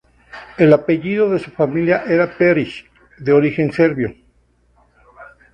El apellido de su familia era Perich, de origen serbio.